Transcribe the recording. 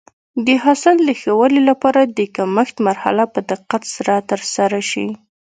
د حاصل د ښه والي لپاره د کښت مرحله په دقت سره ترسره شي.